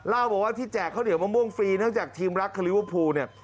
เล่าบอกว่าที่แจกข้าวเหนียวมะม่วงฟรีเนื่องจากทีมรักคาลิเวอร์พูลเนี่ย